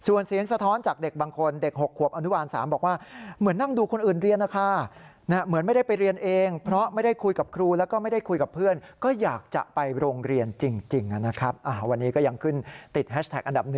วันนี้ก็ยังขึ้นติดแฮชแท็กอันดับ๑ใช่ไหม